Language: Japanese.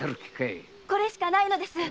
これしかないのです。